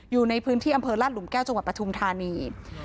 อยู่ในผู้ชนรัฐบุตรรุ่งแก้วประชุมทานี